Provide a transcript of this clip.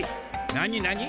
なになに？